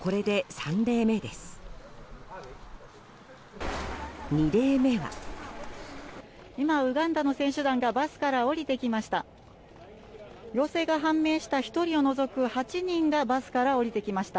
今、ウガンダの選手団がバスから降りてきました。